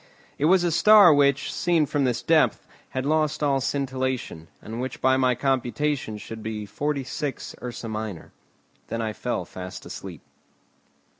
It was a star which, seen from this depth, had lost all scintillation, and which by my computation should be 46; Ursa minor. Then I fell fast asleep.